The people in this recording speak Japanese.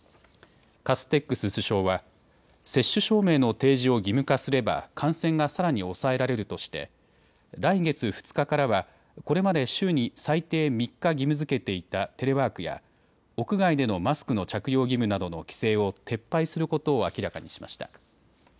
カステックス首相は接種証明の提示を義務化すれば感染がさらに抑えられるとして来月２日からはこれまで週に最低３日義務づけていたテレワークや屋外でのマスクの着用義務などの規制を撤廃することを明らかにしました。